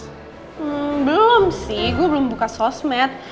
hmm belum sih gue belum buka sosmed